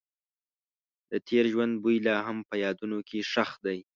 د تېر ژوند بوی لا هم په یادونو کې ښخ دی.